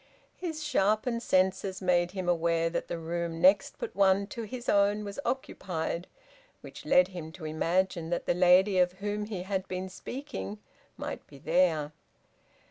His sharpened senses made him aware that the room next but one to his own was occupied, which led him to imagine that the lady of whom he had been speaking might be there.